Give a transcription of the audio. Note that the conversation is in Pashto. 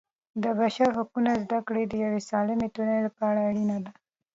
د بشري حقونو زده کړه د یوې سالمې ټولنې لپاره اړینه ده.